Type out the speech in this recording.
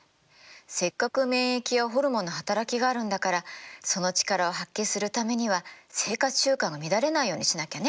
せっかく免疫やホルモンの働きがあるんだからその力を発揮するためには生活習慣が乱れないようにしなきゃね。